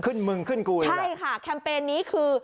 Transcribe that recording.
ขึ้นมึงขึ้นกูอีกหรอใช่ค่ะแคมเปญนี้คือ